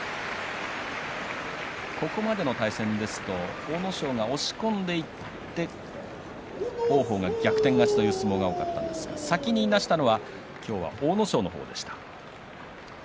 ここまでの対戦ですと阿武咲が押し込んでいって王鵬が逆転勝ちという相撲が多かったんですが先にいなしたのは今日は阿武咲の方でした。